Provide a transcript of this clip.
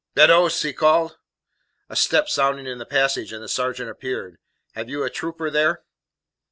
"Beddoes!" he called. A step sounded in the passage, and the sergeant appeared. "Have you a trooper there?"